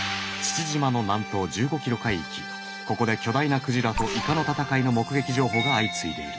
ここで巨大なクジラとイカの闘いの目撃情報が相次いでいる。